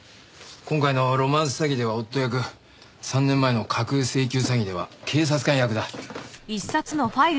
今回のロマンス詐欺では夫役３年前の架空請求詐欺では警察官役だ。